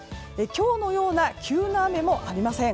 今日のような急な雨もありません。